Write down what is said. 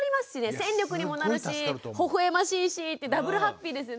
戦力にもなるしほほ笑ましいしってダブルハッピーですね。